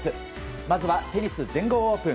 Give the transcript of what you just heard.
まずは、テニス全豪オープン。